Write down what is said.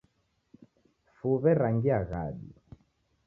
Fuw'e rangia ghadi